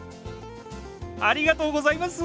ありがとうございます！